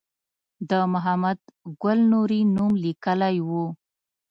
د محمد ګل نوري نوم لیکلی و.